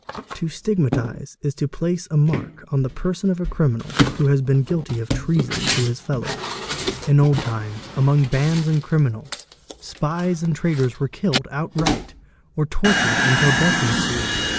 "To stigmatise'' is to place a mark on the person of a criminal who has been guilty of treason to his fellows. In old times, among bands of © criminals, spies and traitors were killed outright or tortured until death ensued.